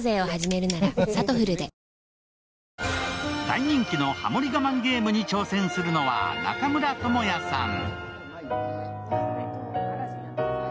大人気の「ハモリ我慢ゲーム」に挑戦するのは中村倫也さん。